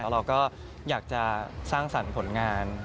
เราก็อยากจะสร้างสรรค์ผลงาน